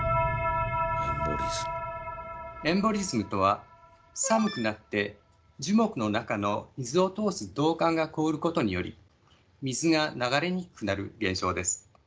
エンボリズムとは寒くなって樹木の中の水を通す導管が凍ることにより水が流れにくくなる現象です。